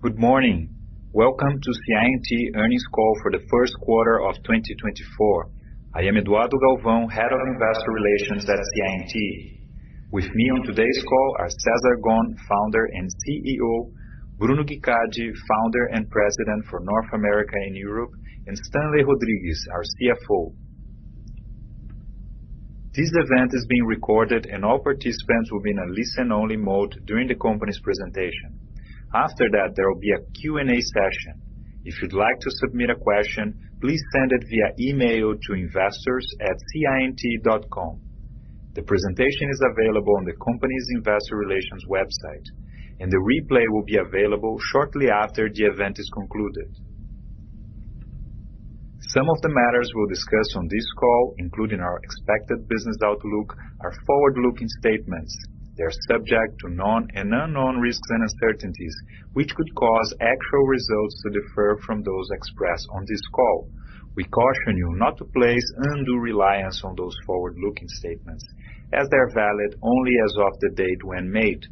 Good morning. Welcome to CI&T earnings call for the first quarter of 2024. I am Eduardo Galvão, Head of Investor Relations at CI&T. With me on today's call are Cesar Gon, Founder and CEO, Bruno Guicardi, Founder and President for North America and Europe, and Stanley Rodrigues, our CFO. This event is being recorded, and all participants will be in a listen-only mode during the company's presentation. After that, there will be a Q&A session. If you'd like to submit a question, please send it via email to investors@ciandt.com. The presentation is available on the company's investor relations website, and the replay will be available shortly after the event is concluded. Some of the matters we'll discuss on this call, including our expected business outlook, are forward-looking statements. They are subject to known and unknown risks and uncertainties, which could cause actual results to differ from those expressed on this call. We caution you not to place undue reliance on those forward-looking statements, as they're valid only as of the date when made.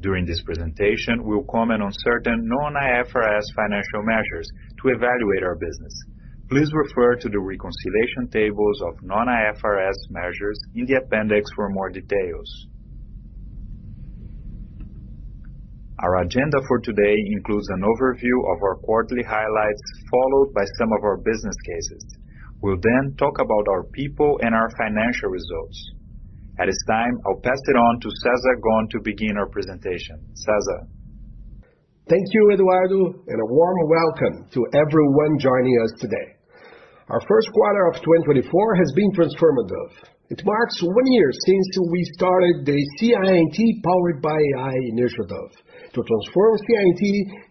During this presentation, we'll comment on certain non-IFRS financial measures to evaluate our business. Please refer to the reconciliation tables of non-IFRS measures in the appendix for more details. Our agenda for today includes an overview of our quarterly highlights, followed by some of our business cases. We'll then talk about our people and our financial results. At this time, I'll pass it on to Cesar Gon to begin our presentation. Cesar? Thank you, Eduardo, and a warm welcome to everyone joining us today. Our first quarter of 2024 has been transformative. It marks one year since we started the CI&T Powered by AI initiative, to transform CI&T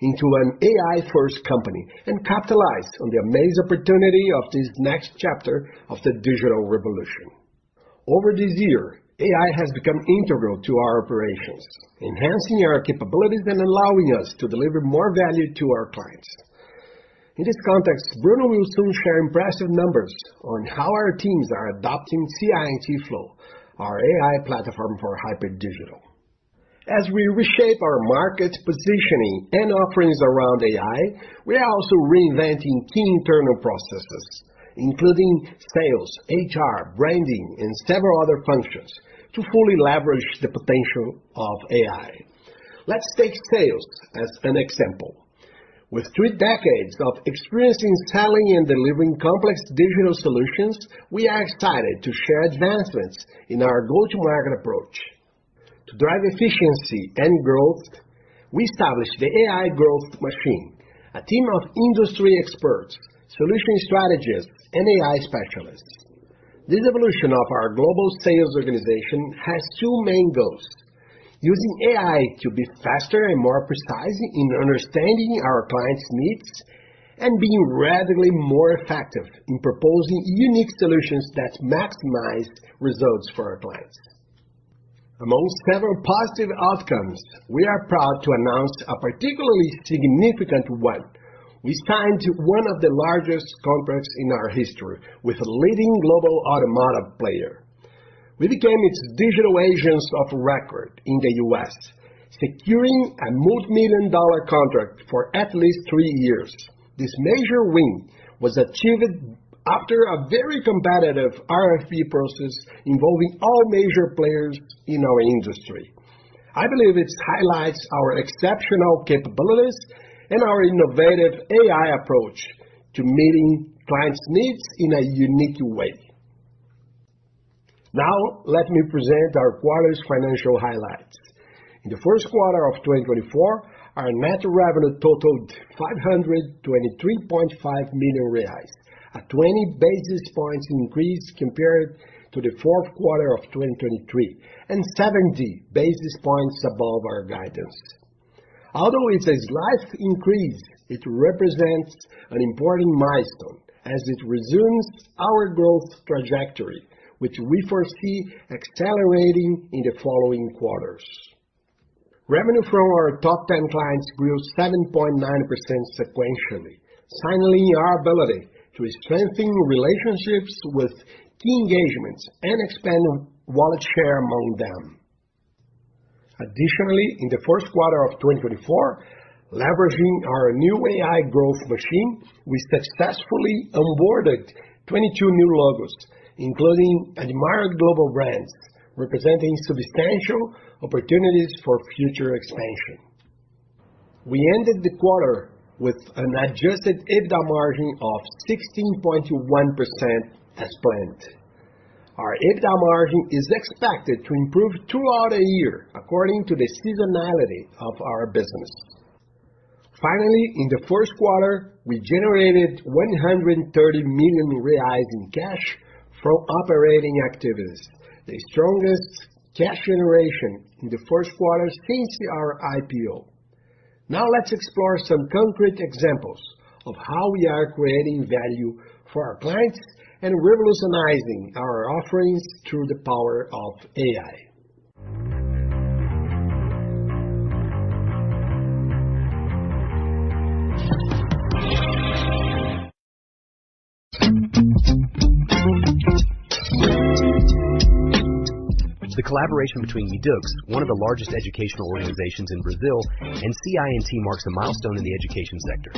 into an AI-first company and capitalize on the amazing opportunity of this next chapter of the digital revolution. Over this year, AI has become integral to our operations, enhancing our capabilities and allowing us to deliver more value to our clients. In this context, Bruno will soon share impressive numbers on how our teams are adopting CI&T Flow, our AI platform for hybrid digital. As we reshape our market positioning and offerings around AI, we are also reinventing key internal processes, including sales, HR, branding, and several other functions to fully leverage the potential of AI. Let's take sales as an example. With three decades of experience in selling and delivering complex digital solutions, we are excited to share advancements in our go-to-market approach. To drive efficiency and growth, we established the AI Growth Machine, a team of industry experts, solution strategists, and AI specialists. This evolution of our global sales organization has two main goals: using AI to be faster and more precise in understanding our clients' needs, and being radically more effective in proposing unique solutions that maximize results for our clients. Among several positive outcomes, we are proud to announce a particularly significant one. We signed one of the largest contracts in our history with a leading global automotive player. We became its digital agents of record in the U.S., securing a multimillion-dollar contract for at least three years. This major win was achieved after a very competitive RFP process involving all major players in our industry. I believe this highlights our exceptional capabilities and our innovative AI approach to meeting clients' needs in a unique way. Now, let me present our quarter's financial highlights. In the first quarter of 2024, our net revenue totaled 523.5 million reais, a 20 basis points increase compared to the fourth quarter of 2023, and 70 basis points above our guidance. Although it's a slight increase, it represents an important milestone as it resumes our growth trajectory, which we foresee accelerating in the following quarters. Revenue from our top 10 clients grew 7.9% sequentially, signaling our ability to strengthen relationships with key engagements and expand wallet share among them. Additionally, in the first quarter of 2024, leveraging our new AI growth machine, we successfully onboarded 22 new logos, including admired global brands, representing substantial opportunities for future expansion. We ended the quarter with an adjusted EBITDA margin of 16.1% as planned. Our EBITDA margin is expected to improve throughout the year according to the seasonality of our business. Finally, in the first quarter, we generated 130 million reais in cash from operating activities, the strongest cash generation in the first quarter since our IPO. Now, let's explore some concrete examples of how we are creating value for our clients and revolutionizing our offerings through the power of AI. ...The collaboration between YDUQS, one of the largest educational organizations in Brazil, and CI&T marks a milestone in the education sector.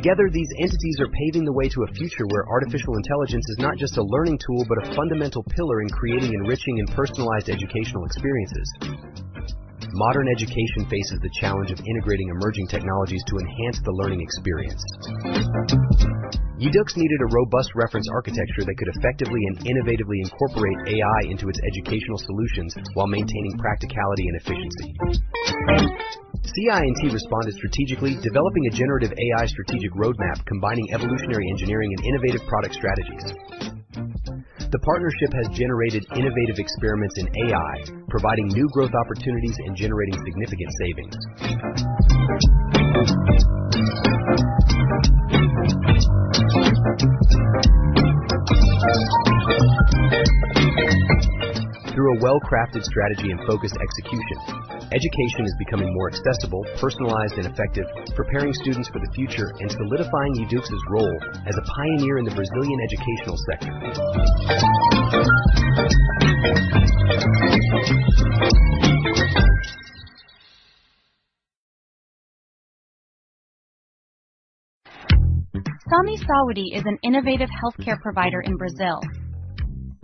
Together, these entities are paving the way to a future where artificial intelligence is not just a learning tool, but a fundamental pillar in creating enriching and personalized educational experiences. Modern education faces the challenge of integrating emerging technologies to enhance the learning experience. YDUQS needed a robust reference architecture that could effectively and innovatively incorporate AI into its educational solutions while maintaining practicality and efficiency. CI&T responded strategically, developing a generative AI strategic roadmap, combining evolutionary engineering and innovative product strategies. The partnership has generated innovative experiments in AI, providing new growth opportunities and generating significant savings. Through a well-crafted strategy and focused execution, education is becoming more accessible, personalized, and effective, preparing students for the future and solidifying YDUQS's role as a pioneer in the Brazilian educational sector. Sami Saúde is an innovative healthcare provider in Brazil.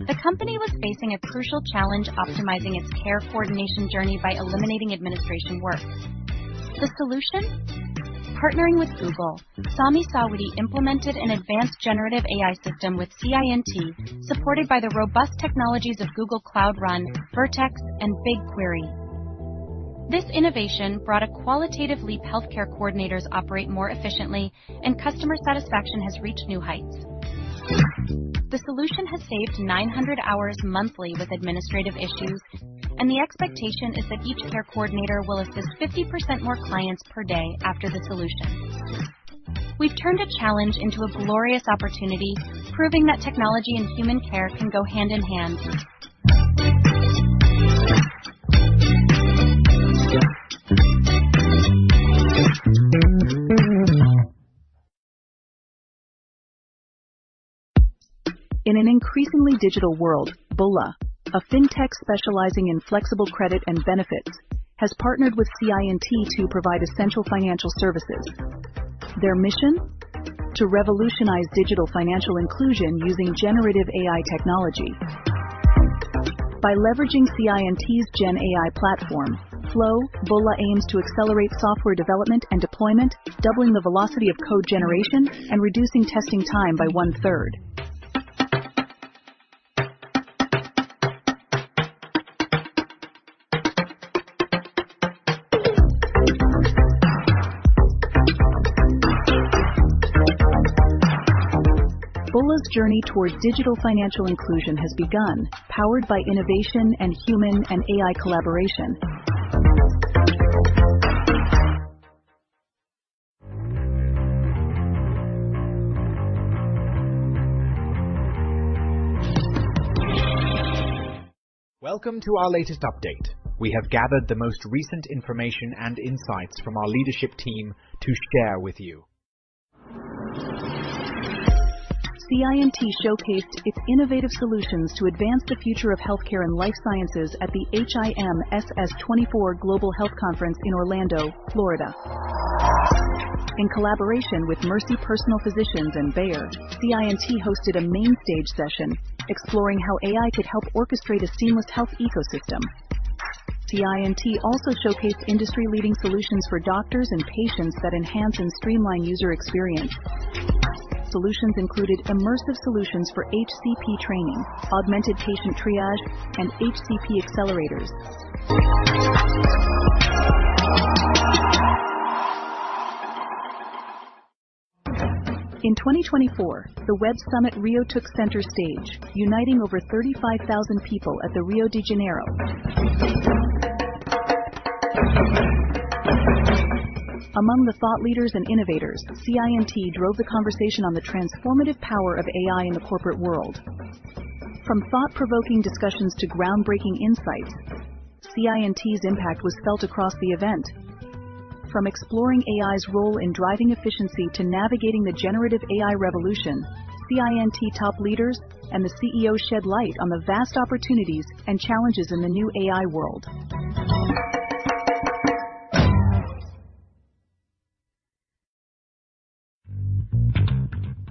The company was facing a crucial challenge, optimizing its care coordination journey by eliminating administration work. The solution? Partnering with Google. Sami Saúde implemented an advanced generative AI system with CI&T, supported by the robust technologies of Google Cloud Run, Vertex, and BigQuery. This innovation brought a qualitative leap. Healthcare coordinators operate more efficiently, and customer satisfaction has reached new heights. The solution has saved 900 hours monthly with administrative issues, and the expectation is that each care coordinator will assist 50% more clients per day after the solution. We've turned a challenge into a glorious opportunity, proving that technology and human care can go hand in hand. In an increasingly digital world, Bullla, a fintech specializing in flexible credit and benefits, has partnered with CI&T to provide essential financial services. Their mission? To revolutionize digital financial inclusion using generative AI technology. By leveraging CI&T's Gen AI platform, Flow, Bullla aims to accelerate software development and deployment, doubling the velocity of code generation and reducing testing time by one-third. Bullla's journey towards digital financial inclusion has begun, powered by innovation and human and AI collaboration. Welcome to our latest update. We have gathered the most recent information and insights from our leadership team to share with you. CI&T showcased its innovative solutions to advance the future of healthcare and Life Sciences at the HIMSS 2024 Global Health Conference in Orlando, Florida. In collaboration with Mercy Personal Physicians and Bayer, CI&T hosted a mainstage session exploring how AI could help orchestrate a seamless health ecosystem. CI&T also showcased industry-leading solutions for doctors and patients that enhance and streamline user experience. Solutions included immersive solutions for HCP training, augmented patient triage, and HCP accelerators. In 2024, the Web Summit Rio took center stage, uniting over 35,000 people at the Rio de Janeiro. Among the thought leaders and innovators, CI&T drove the conversation on the transformative power of AI in the corporate world. From thought-provoking discussions to groundbreaking insights, CI&T's impact was felt across the event. From exploring AI's role in driving efficiency to navigating the generative AI revolution, CI&T top leaders and the CEO shed light on the vast opportunities and challenges in the new AI world.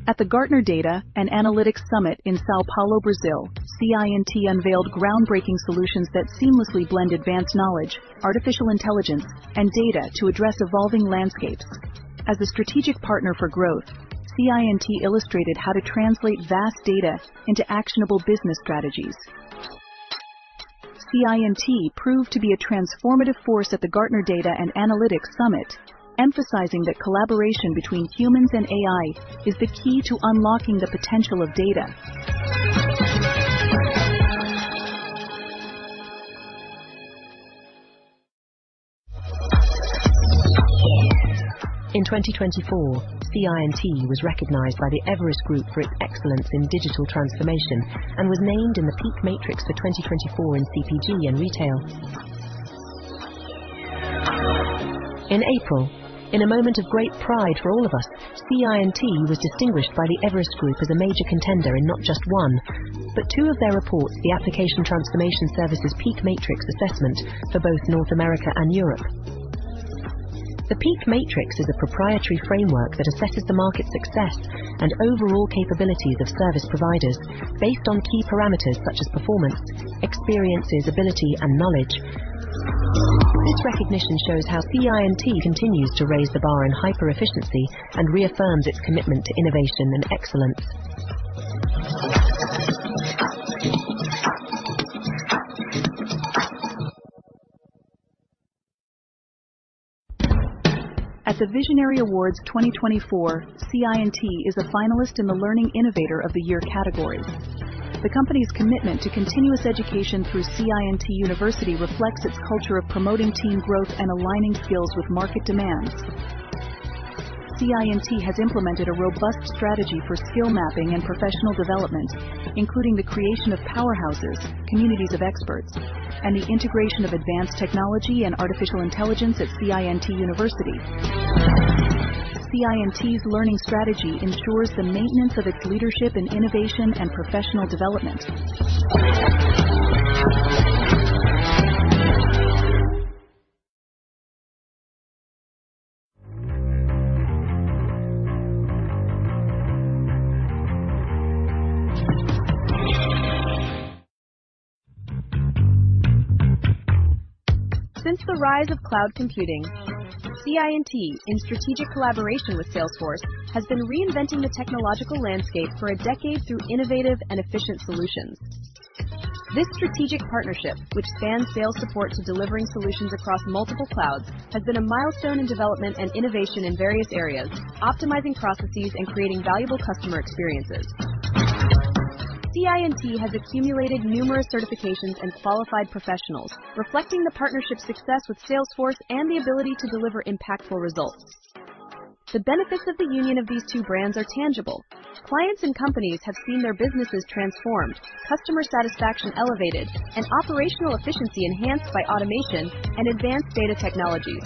At the Gartner Data and Analytics Summit in São Paulo, Brazil, CI&T unveiled groundbreaking solutions that seamlessly blend advanced knowledge, artificial intelligence, and data to address evolving landscapes. As a strategic partner for growth, CI&T illustrated how to translate vast data into actionable business strategies. CI&T proved to be a transformative force at the Gartner Data and Analytics Summit, emphasizing that collaboration between humans and AI is the key to unlocking the potential of data. In 2024, CI&T was recognized by Everest Group for its excellence in digital transformation and was named in the PEAK Matrix for 2024 in CPG and retail. In April, in a moment of great pride for all of us, CI&T was distinguished by the Everest Group as a Major Contender in not just one, but two of their reports, the Application Transformation Services PEAK Matrix Assessment for both North America and Europe. The PEAK Matrix is a proprietary framework that assesses the market success and overall capabilities of service providers based on key parameters such as performance, experiences, ability, and knowledge. This recognition shows how CI&T continues to raise the bar in hyper efficiency and reaffirms its commitment to innovation and excellence. At the Visionary Awards 2024, CI&T is a finalist in the Learning Innovator of the Year category. The company's commitment to continuous education through CI&T University reflects its culture of promoting team growth and aligning skills with market demands. CI&T has implemented a robust strategy for skill mapping and professional development, including the creation of powerhouses, communities of experts, and the integration of advanced technology and artificial intelligence at CI&T University. CI&T's learning strategy ensures the maintenance of its leadership in innovation and professional development. Since the rise of cloud computing, CI&T, in strategic collaboration with Salesforce, has been reinventing the technological landscape for a decade through innovative and efficient solutions. This strategic partnership, which spans sales support to delivering solutions across multiple clouds, has been a milestone in development and innovation in various areas, optimizing processes and creating valuable customer experiences. CI&T has accumulated numerous certifications and qualified professionals, reflecting the partnership's success with Salesforce and the ability to deliver impactful results. The benefits of the union of these two brands are tangible. Clients and companies have seen their businesses transformed, customer satisfaction elevated, and operational efficiency enhanced by automation and advanced data technologies.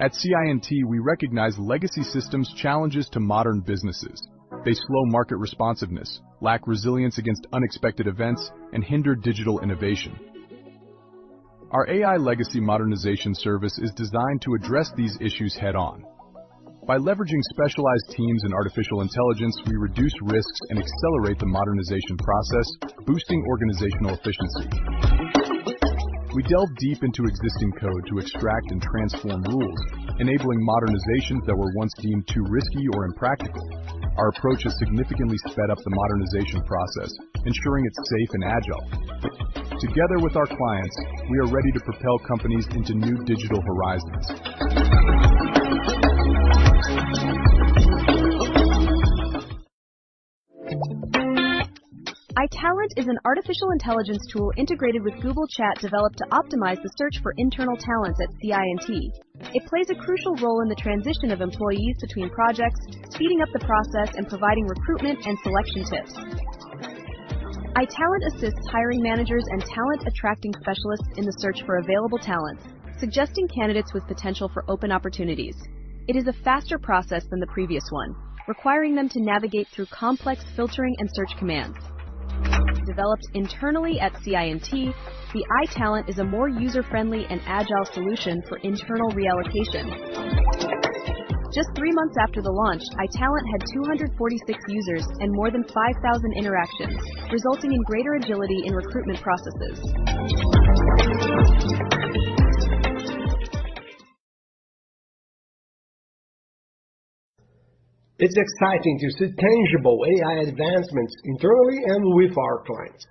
At CI&T, we recognize legacy systems' challenges to modern businesses. They slow market responsiveness, lack resilience against unexpected events, and hinder digital innovation. Our AI legacy modernization service is designed to address these issues head-on. By leveraging specialized teams and artificial intelligence, we reduce risks and accelerate the modernization process, boosting organizational efficiency. We delve deep into existing code to extract and transform rules, enabling modernizations that were once deemed too risky or impractical. Our approach has significantly sped up the modernization process, ensuring it's safe and agile. Together with our clients, we are ready to propel companies into new digital horizons. iTalent is an artificial intelligence tool integrated with Google Chat, developed to optimize the search for internal talents at CI&T. It plays a crucial role in the transition of employees between projects, speeding up the process and providing recruitment and selection tips. iTalent assists hiring managers and talent-attracting specialists in the search for available talent, suggesting candidates with potential for open opportunities. It is a faster process than the previous one, requiring them to navigate through complex filtering and search commands. Developed internally at CI&T, the iTalent is a more user-friendly and agile solution for internal reallocation. Just three months after the launch, iTalent had 246 users and more than 5,000 interactions, resulting in greater agility in recruitment processes. It's exciting to see tangible AI advancements internally and with our clients.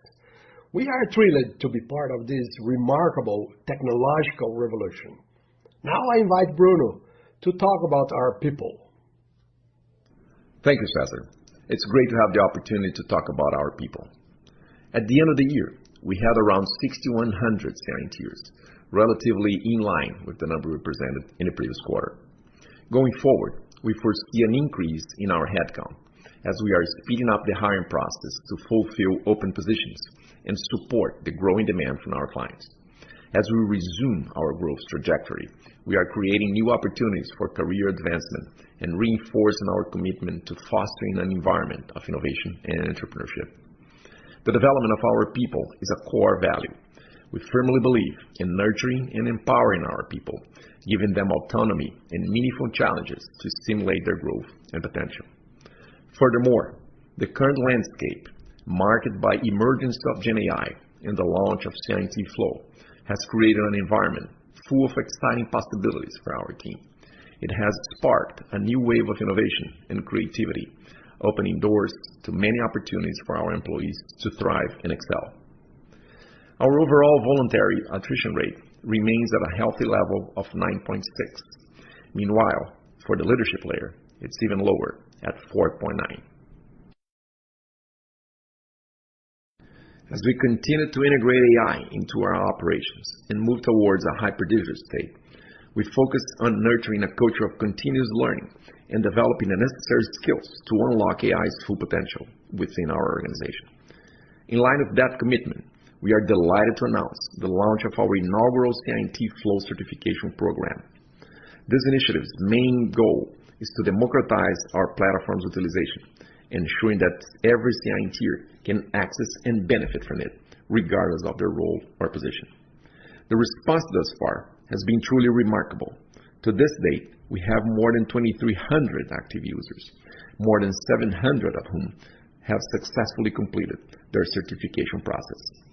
We are thrilled to be part of this remarkable technological revolution. Now, I invite Bruno to talk about our people. Thank you, Cesar. It's great to have the opportunity to talk about our people. At the end of the year, we had around 6,100 CI&Ters, relatively in line with the number we presented in the previous quarter. Going forward, we foresee an increase in our headcount as we are speeding up the hiring process to fulfill open positions and support the growing demand from our clients. As we resume our growth trajectory, we are creating new opportunities for career advancement and reinforcing our commitment to fostering an environment of innovation and entrepreneurship. The development of our people is a core value. We firmly believe in nurturing and empowering our people, giving them autonomy and meaningful challenges to stimulate their growth and potential. Furthermore, the current landscape, marked by emergence of GenAI and the launch of CI&T Flow, has created an environment full of exciting possibilities for our team. It has sparked a new wave of innovation and creativity, opening doors to many opportunities for our employees to thrive and excel. Our overall voluntary attrition rate remains at a healthy level of 9.6. Meanwhile, for the leadership layer, it's even lower, at 4.9. As we continue to integrate AI into our operations and move towards a hyper digital state, we focus on nurturing a culture of continuous learning and developing the necessary skills to unlock AI's full potential within our organization. In light of that commitment, we are delighted to announce the launch of our inaugural CI&T Flow Certification Program. This initiative's main goal is to democratize our platform's utilization, ensuring that every CI&T can access and benefit from it, regardless of their role or position. The response thus far has been truly remarkable. To this date, we have more than 2,300 active users, more than 700 of whom have successfully completed their certification processes.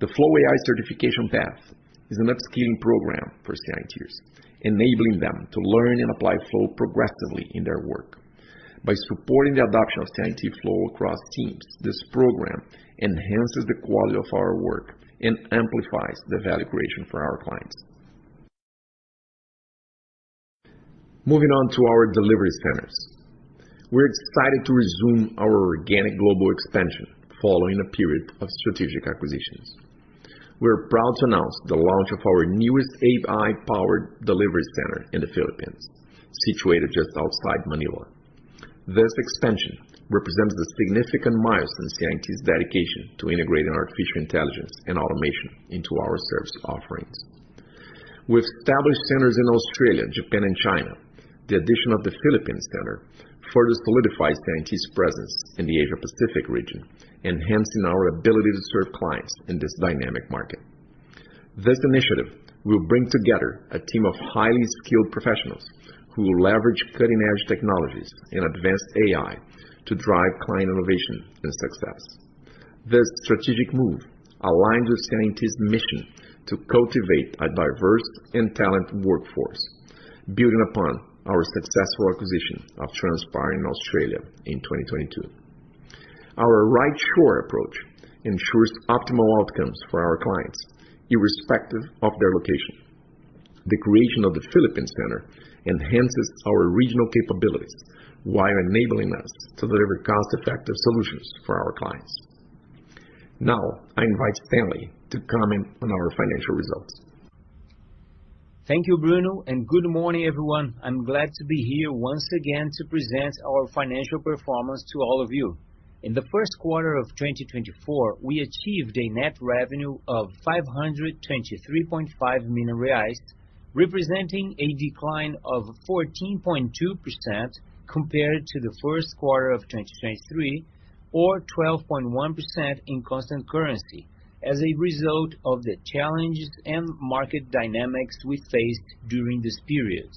The Flow AI certification path is an upskilling program for CI&Ters, enabling them to learn and apply Flow progressively in their work. By supporting the adoption of CI&T Flow across teams, this program enhances the quality of our work and amplifies the value creation for our clients. Moving on to our delivery centers. We're excited to resume our organic global expansion following a period of strategic acquisitions. We're proud to announce the launch of our newest AI-powered delivery center in the Philippines, situated just outside Manila. This expansion represents a significant milestone in CI&T's dedication to integrating artificial intelligence and automation into our service offerings. With established centers in Australia, Japan, and China, the addition of the Philippines center further solidifies CI&T's presence in the Asia Pacific region, enhancing our ability to serve clients in this dynamic market. This initiative will bring together a team of highly skilled professionals who will leverage cutting-edge technologies and advanced AI to drive client innovation and success. This strategic move aligns with CI&T's mission to cultivate a diverse and talented workforce, building upon our successful acquisition of Transpire in Australia in 2022. Our rightshore approach ensures optimal outcomes for our clients, irrespective of their location. The creation of the Philippines center enhances our regional capabilities while enabling us to deliver cost-effective solutions for our clients. Now, I invite Stanley to comment on our financial results. Thank you, Bruno, and good morning, everyone. I'm glad to be here once again to present our financial performance to all of you. In the first quarter of 2024, we achieved a net revenue of 523.5 million reais, representing a decline of 14.2% compared to the first quarter of 2023 or 12.1% in constant currency, as a result of the challenges and market dynamics we faced during this period.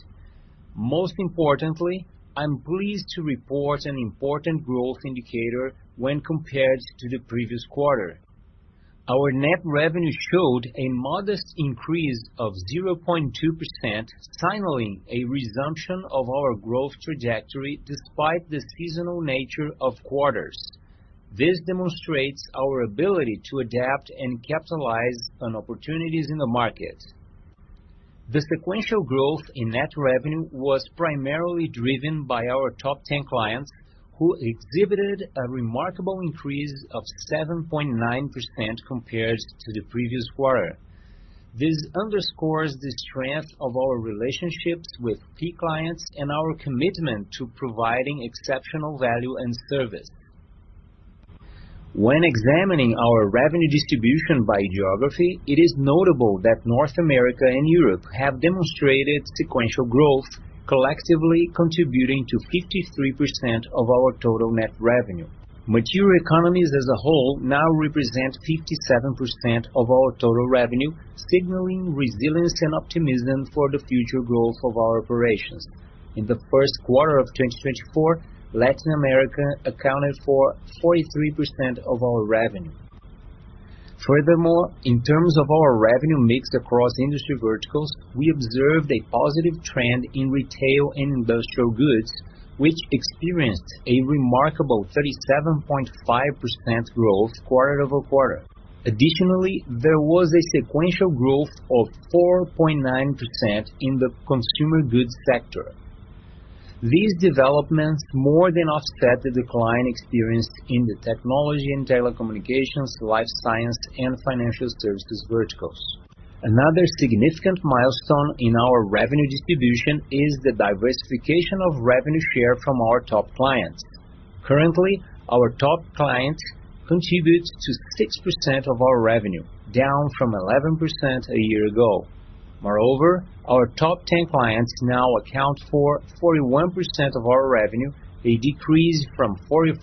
Most importantly, I'm pleased to report an important growth indicator when compared to the previous quarter. Our net revenue showed a modest increase of 0.2%, signaling a resumption of our growth trajectory despite the seasonal nature of quarters. This demonstrates our ability to adapt and capitalize on opportunities in the market. The sequential growth in net revenue was primarily driven by our top 10 clients, who exhibited a remarkable increase of 7.9% compared to the previous quarter. This underscores the strength of our relationships with key clients and our commitment to providing exceptional value and service. When examining our revenue distribution by geography, it is notable that North America and Europe have demonstrated sequential growth, collectively contributing to 53% of our total net revenue. Mature economies as a whole now represent 57% of our total revenue, signaling resilience and optimism for the future growth of our operations. In the first quarter of 2024, Latin America accounted for 43% of our revenue. Furthermore, in terms of our revenue mix across industry verticals, we observed a positive trend in retail and industrial goods, which experienced a remarkable 37.5% growth quarter-over-quarter. Additionally, there was a sequential growth of 4.9% in the consumer goods sector. These developments more than offset the decline experienced in the technology and telecommunications, Life Sciences, and financial services verticals. Another significant milestone in our revenue distribution is the diversification of revenue share from our top clients. Currently, our top clients contribute to 6% of our revenue, down from 11% a year ago. Moreover, our top ten clients now account for 41% of our revenue, a decrease from 44%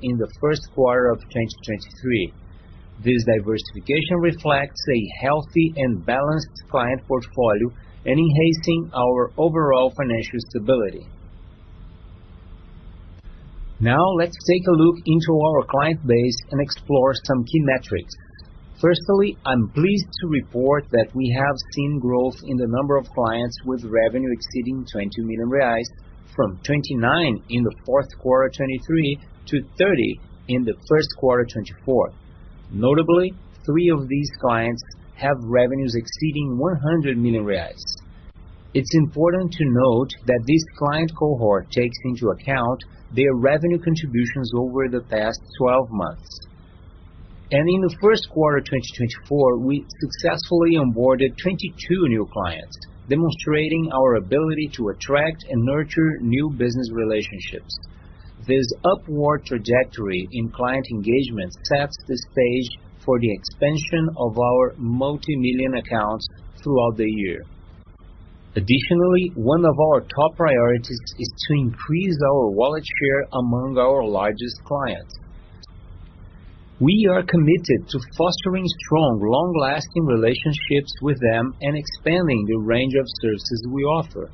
in the first quarter of 2023. This diversification reflects a healthy and balanced client portfolio and enhancing our overall financial stability. Now, let's take a look into our client base and explore some key metrics. Firstly, I'm pleased to report that we have seen growth in the number of clients, with revenue exceeding 20 million reais, from 29 in the fourth quarter of 2023 to 30 in the first quarter of 2024. Notably, three of these clients have revenues exceeding 100 million reais. It's important to note that this client cohort takes into account their revenue contributions over the past 12 months. In the first quarter 2024, we successfully onboarded 22 new clients, demonstrating our ability to attract and nurture new business relationships. This upward trajectory in client engagement sets the stage for the expansion of our multi-million accounts throughout the year. Additionally, one of our top priorities is to increase our wallet share among our largest clients. We are committed to fostering strong, long-lasting relationships with them and expanding the range of services we offer.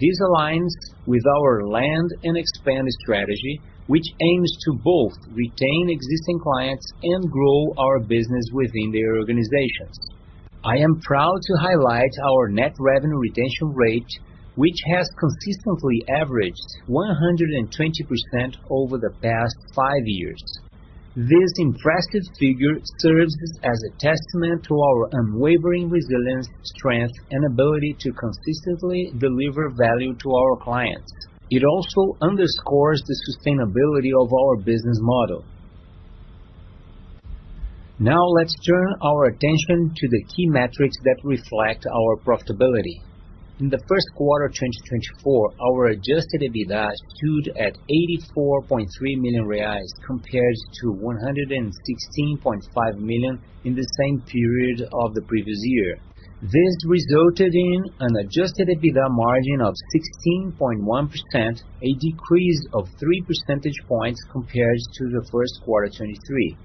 This aligns with our land and expand strategy, which aims to both retain existing clients and grow our business within their organizations. I am proud to highlight our net revenue retention rate, which has consistently averaged 120% over the past five years. This impressive figure serves as a testament to our unwavering resilience, strength, and ability to consistently deliver value to our clients. It also underscores the sustainability of our business model. Now, let's turn our attention to the key metrics that reflect our profitability. In the first quarter 2024, our adjusted EBITDA stood at 84.3 million reais, compared to 116.5 million in the same period of the previous year. This resulted in an adjusted EBITDA margin of 16.1%, a decrease of three percentage points compared to the first quarter 2023.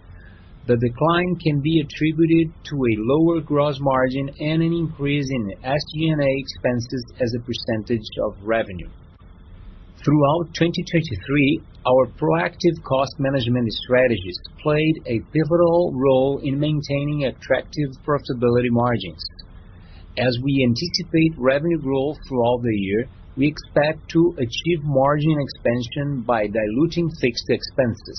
The decline can be attributed to a lower gross margin and an increase in SG&A expenses as a percentage of revenue. Throughout 2023, our proactive cost management strategies played a pivotal role in maintaining attractive profitability margins. As we anticipate revenue growth throughout the year, we expect to achieve margin expansion by diluting fixed expenses.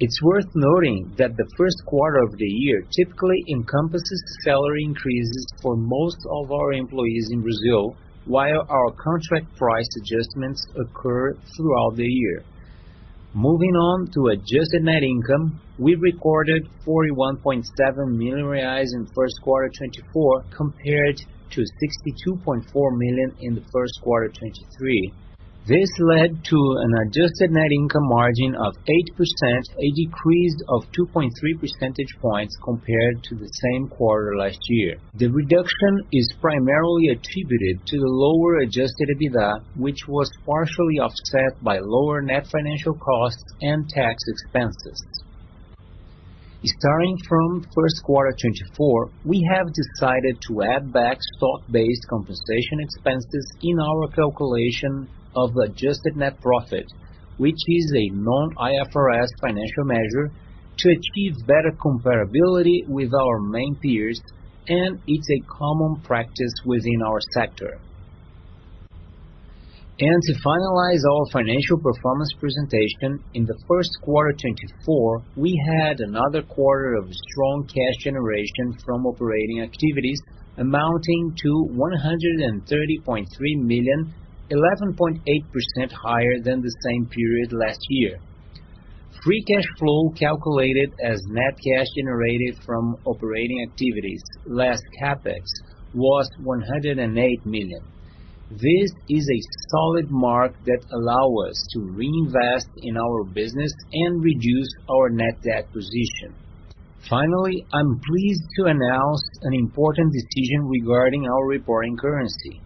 It's worth noting that the first quarter of the year typically encompasses salary increases for most of our employees in Brazil, while our contract price adjustments occur throughout the year. Moving on to adjusted net income, we recorded 41.7 million reais in first quarter 2024, compared to 62.4 million in the first quarter 2023. This led to an adjusted net income margin of 8%, a decrease of 2.3 percentage points compared to the same quarter last year. The reduction is primarily attributed to the lower adjusted EBITDA, which was partially offset by lower net financial costs and tax expenses. Starting from first quarter 2024, we have decided to add back stock-based compensation expenses in our calculation of adjusted net profit, which is a non-IFRS financial measure to achieve better comparability with our main peers, and it's a common practice within our sector. To finalize our financial performance presentation, in the first quarter 2024, we had another quarter of strong cash generation from operating activities amounting to 130.3 million, 11.8% higher than the same period last year. Free cash flow, calculated as net cash generated from operating activities, less CapEx, was 108 million. This is a solid mark that allow us to reinvest in our business and reduce our net debt acquisition. Finally, I'm pleased to announce an important decision regarding our reporting currency.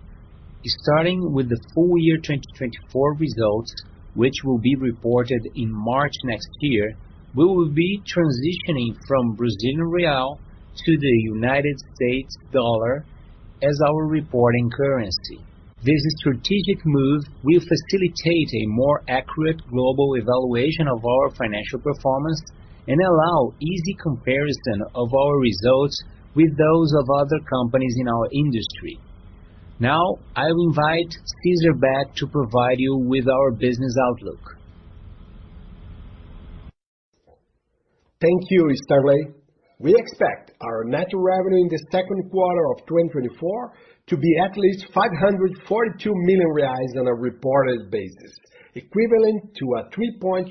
Starting with the full year 2024 results, which will be reported in March next year, we will be transitioning from Brazilian real to the United States dollar as our reporting currency. This strategic move will facilitate a more accurate global evaluation of our financial performance and allow easy comparison of our results with those of other companies in our industry. Now, I will invite Cesar back to provide you with our business outlook. Thank you, Stanley. We expect our net revenue in the second quarter of 2024 to be at least 542 million reais on a reported basis, equivalent to a 3.5%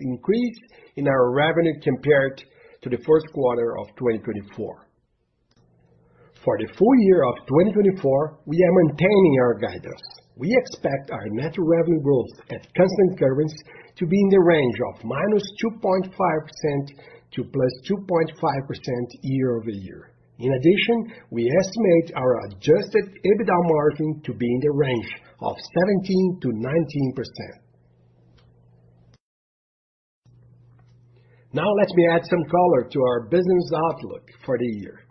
increase in our revenue compared to the first quarter of 2024. For the full year of 2024, we are maintaining our guidance. We expect our net revenue growth at constant currency to be in the range of -2.5% to +2.5% year-over-year. In addition, we estimate our Adjusted EBITDA margin to be in the range of 17%-19%. Now, let me add some color to our business outlook for the year.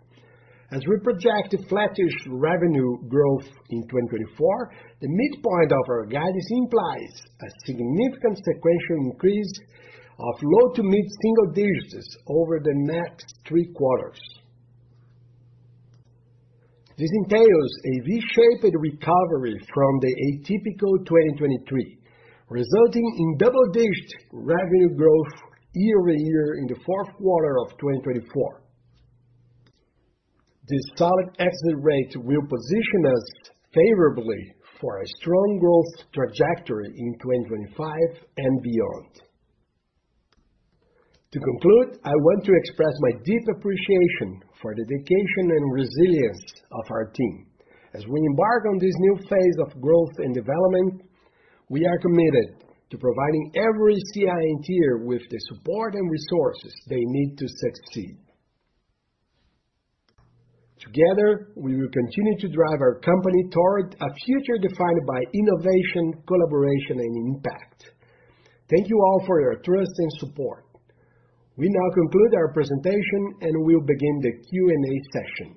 As we project a flattish revenue growth in 2024, the midpoint of our guidance implies a significant sequential increase of low- to mid-single digits over the next three quarters. This entails a reshaped recovery from the atypical 2023, resulting in double-digit revenue growth year-over-year in the fourth quarter of 2024. ... This solid exit rate will position us favorably for a strong growth trajectory in 2025 and beyond. To conclude, I want to express my deep appreciation for the dedication and resilience of our team. As we embark on this new phase of growth and development, we are committed to providing every CI&T with the support and resources they need to succeed. Together, we will continue to drive our company toward a future defined by innovation, collaboration, and impact. Thank you all for your trust and support. We now conclude our presentation, and we'll begin the Q&A session.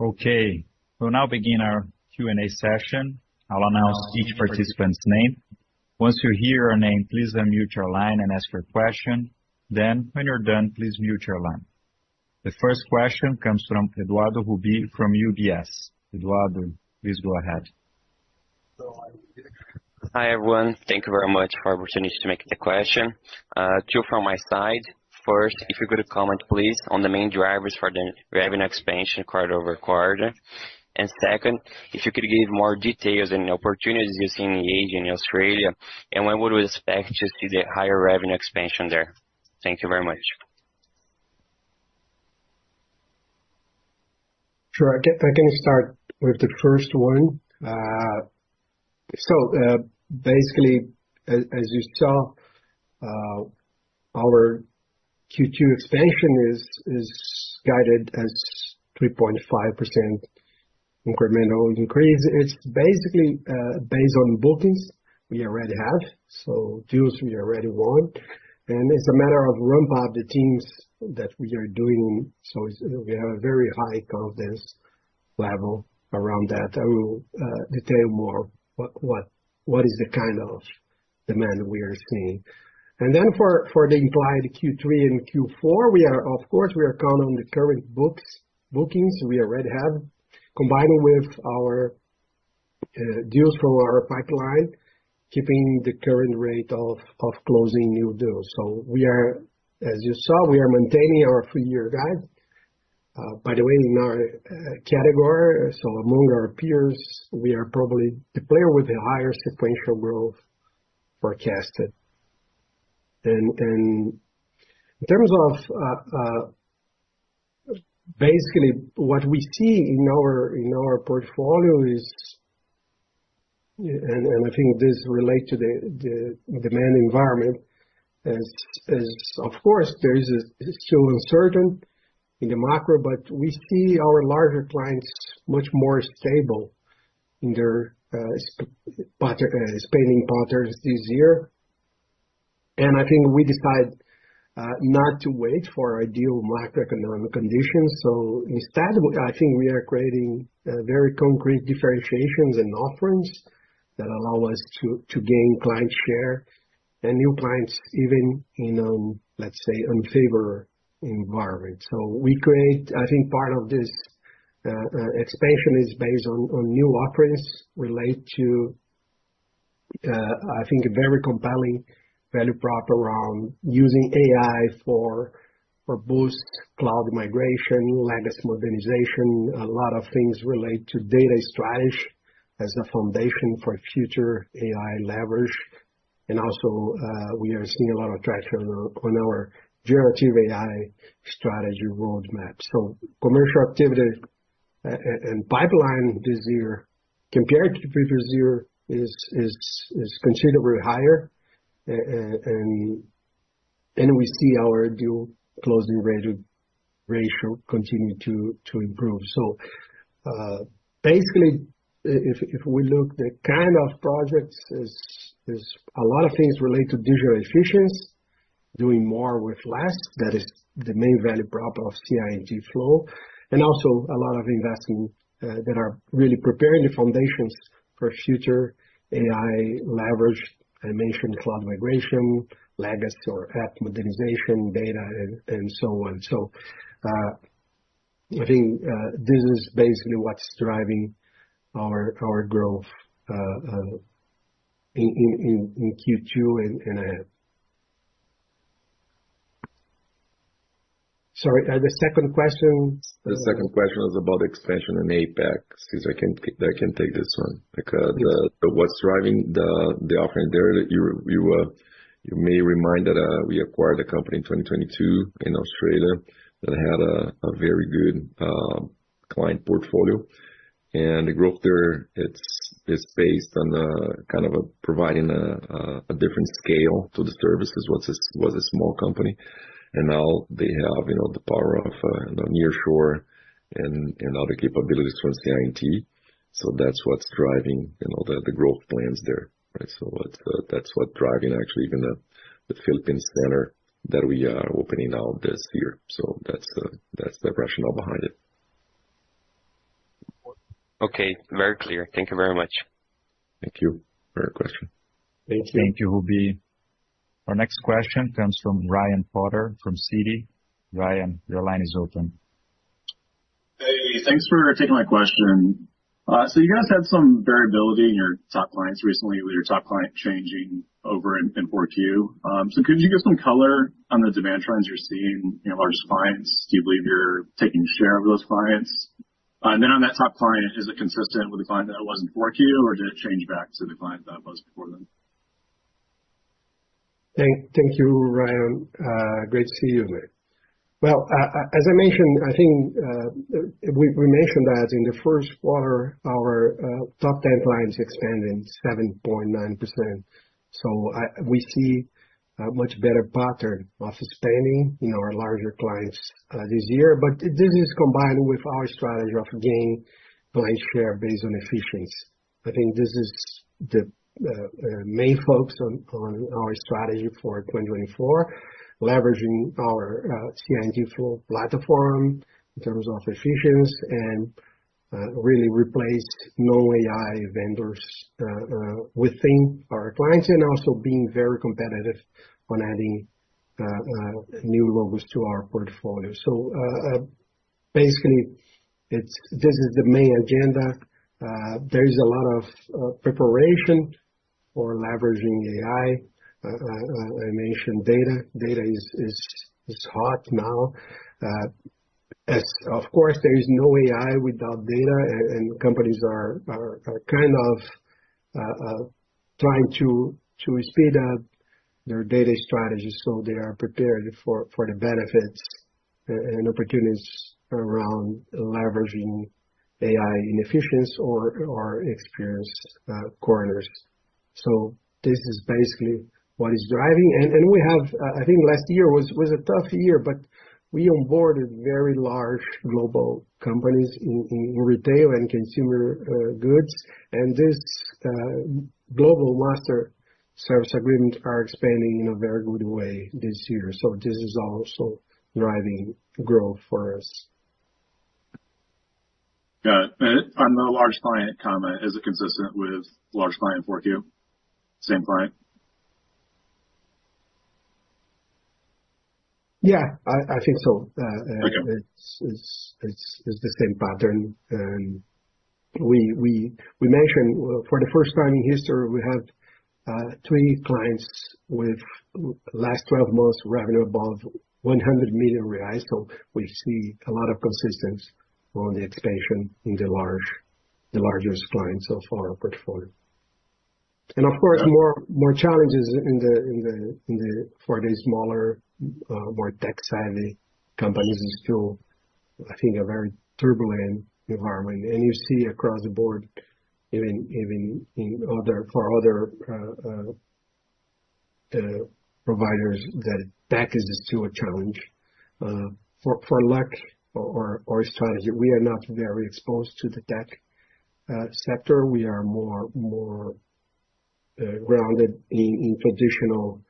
Okay, we'll now begin our Q&A session. I'll announce each participant's name. Once you hear your name, please unmute your line and ask your question. Then, when you're done, please mute your line. The first question comes from Eduardo Rubi from UBS. Eduardo, please go ahead. Hi, everyone. Thank you very much for the opportunity to make the question. Two from my side. First, if you could comment, please, on the main drivers for the revenue expansion quarter-over-quarter. And second, if you could give more details on the opportunities you see in Asia and Australia, and when would we expect to see the higher revenue expansion there? Thank you very much. Sure. I can start with the first one. So, basically, as you saw, our Q2 expansion is guided as 3.5% incremental increase. It's basically based on bookings we already have, so deals we already won, and it's a matter of ramp up the teams that we are doing, so we have a very high confidence level around that. I will detail more what is the kind of demand we are seeing. And then for the implied Q3 and Q4, we are of course counting on the current bookings we already have, combining with our deals from our pipeline, keeping the current rate of closing new deals. So we are, as you saw, we are maintaining our full year guide. By the way, in our category, so among our peers, we are probably the player with the highest sequential growth forecasted. And in terms of basically what we see in our portfolio is, and I think this relates to the demand environment, is of course, there is still uncertainty in the macro, but we see our larger clients much more stable in their spending patterns this year. And I think we decided not to wait for ideal macroeconomic conditions. So instead, I think we are creating very concrete differentiations and offerings that allow us to gain client share and new clients, even in a, let's say, unfavorable environment. So we create, I think part of this, expansion is based on, on new offerings relate to, I think, a very compelling value prop around using AI for, for boost cloud migration, legacy modernization. A lot of things relate to data strategy as a foundation for future AI leverage. And also, we are seeing a lot of traction on, on our generative AI strategy roadmap. So commercial activity, and pipeline this year, compared to previous year, is considerably higher. And we see our deal closing ratio continue to improve. So, basically, if we look the kind of projects, is a lot of things related to digital efficiency, doing more with less. That is the main value prop of CI&T Flow, and also a lot of investing that are really preparing the foundations for future AI leverage. I mentioned cloud migration, legacy or app modernization, data, and so on. So, I think this is basically what's driving our growth in Q2 and ahead. Sorry, the second question? The second question was about expansion in APAC. So I can take this one. What's driving the offering there? You may remind that we acquired a company in 2022 in Australia that had a very good client portfolio, and the growth there is based on kind of providing a different scale to the services. It was a small company, and now they have, you know, the power of nearshore and other capabilities from CI&T. So that's what's driving, you know, the growth plans there, right? So that's what driving actually even the Philippines center that we are opening now this year. So that's the rationale behind it. Okay, very clear. Thank you very much. Thank you for your question. Thank you, Rubi.... Our next question comes from Ryan Potter from Citi. Ryan, your line is open. Hey, thanks for taking my question. So you guys had some variability in your top clients recently, with your top client changing over in 4Q. So could you give some color on the demand trends you're seeing in your largest clients? Do you believe you're taking share of those clients? And then on that top client, is it consistent with the client that it was in 4Q, or did it change back to the client that it was before then? Thank you, Ryan. Great to see you. Well, as I mentioned, I think we mentioned that in the first quarter, our top ten clients expanded 7.9%. We see a much better pattern of expanding in our larger clients this year. But this is combined with our strategy of gaining client share based on efficiency. I think this is the main focus on our strategy for 2024, leveraging our CI&T Flow platform in terms of efficiency and really replaced non-AI vendors within our clients, and also being very competitive on adding new logos to our portfolio. So basically, this is the main agenda. There is a lot of preparation for leveraging AI. I mentioned data. Data is hot now. As of course, there is no AI without data, and companies are kind of trying to speed up their data strategy, so they are prepared for the benefits and opportunities around leveraging AI in efficiency or experience corners. So this is basically what is driving. And I think last year was a tough year, but we onboarded very large global companies in retail and consumer goods. And this global master service agreement are expanding in a very good way this year. So this is also driving growth for us. Got it. On the large client comment, is it consistent with large client 4Q, same client? Yeah, I think so. Okay. It's the same pattern. And we mentioned, for the first time in history, we have 3 clients with last 12 months revenue above 100 million reais. So we see a lot of consistency on the expansion in the largest clients of our portfolio. And of course, more challenges in the smaller, more tech-savvy companies is still, I think, a very turbulent environment. And you see across the board, even in other providers, that tech is still a challenge. For luck or strategy, we are not very exposed to the tech sector. We are more grounded in traditional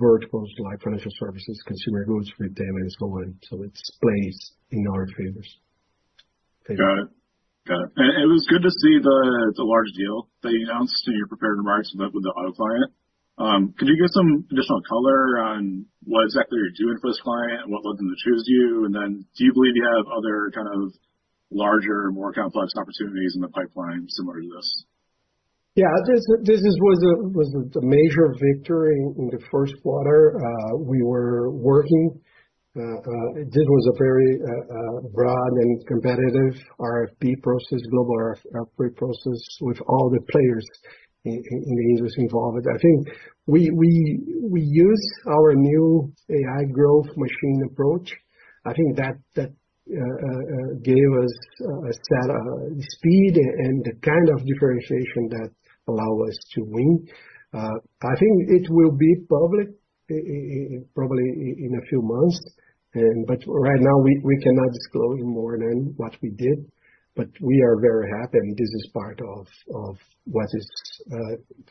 verticals like financial services, consumer goods, retail, and so on. So it plays in our favors. Got it. Got it. It was good to see the large deal that you announced, and you're preparing to launch with the auto client. Could you give some additional color on what exactly you're doing for this client and what led them to choose you? And then do you believe you have other kind of larger, more complex opportunities in the pipeline similar to this? Yeah, this was a major victory in the first quarter. We were working. This was a very broad and competitive RFP process, global RFP process, with all the players in the industry involved. I think we use our new AI Growth Machine approach. I think that gave us a set speed and the kind of differentiation that allow us to win. I think it will be public, probably in a few months, but right now, we cannot disclose more than what we did. But we are very happy, and this is part of what is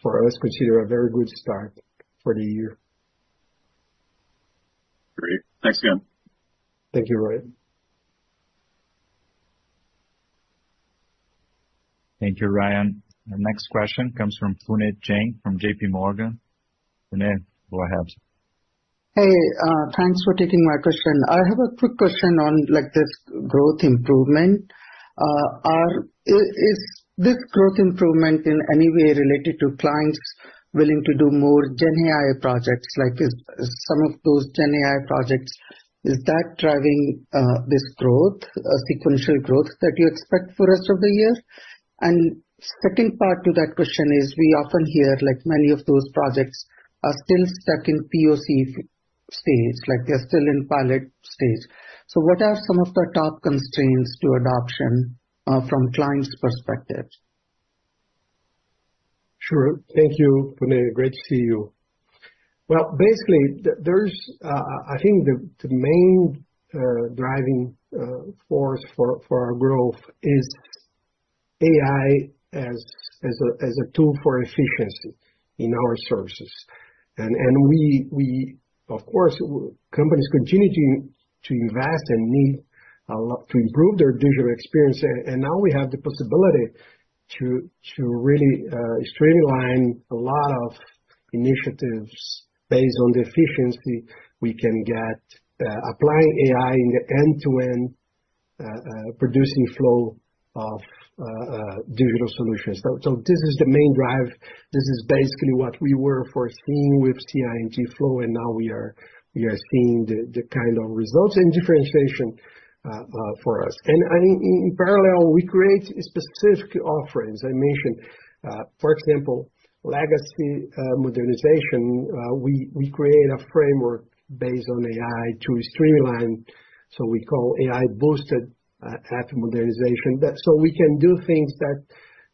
for us consider a very good start for the year. Great. Thanks again. Thank you, Ryan. Thank you, Ryan. Our next question comes from Puneet Jain, from JPMorgan. Puneet, go ahead. Hey, thanks for taking my question. I have a quick question on, like, this growth improvement. Is this growth improvement in any way related to clients willing to do more GenAI projects? Like, is some of those GenAI projects, is that driving this growth, sequential growth, that you expect for the rest of the year? And second part to that question is, we often hear, like, many of those projects are still stuck in POC stage, like they're still in pilot stage. So what are some of the top constraints to adoption from clients' perspectives? Sure. Thank you, Puneet. Great to see you. Well, basically, there's, I think the main driving force for our growth is AI as a tool for efficiency in our services. And we, of course, companies continue to invest and need a lot to improve their digital experience. And now we have the possibility to really streamline a lot of initiatives based on the efficiency we can get applying AI in the end-to-end producing flow of digital solutions. So this is the main drive. This is basically what we were foreseeing with CI&T Flow, and now we are seeing the kind of results and differentiation for us. And in parallel, we create specific offerings. I mentioned, for example, legacy modernization. We create a framework based on AI to streamline, so we call AI-boosted app modernization. But we can do things that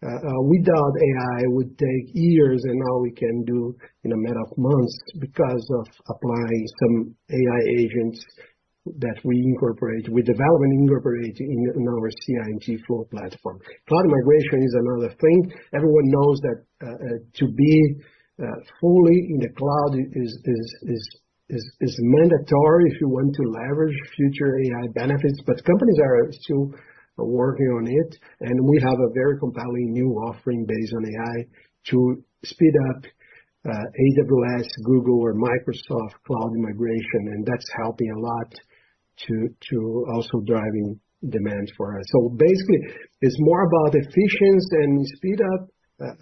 without AI would take years, and now we can do in a matter of months because of applying some AI agents that we incorporate, we develop and incorporate in our CI&T Flow platform. Cloud migration is another thing. Everyone knows that to be fully in the cloud is mandatory if you want to leverage future AI benefits, but companies are still working on it, and we have a very compelling new offering based on AI to speed up AWS, Google or Microsoft cloud migration, and that's helping a lot to also driving demand for us. So basically, it's more about efficiency and speed up